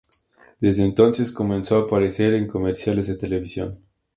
Desde entonces comenzó a aparecer en comerciales de televisión.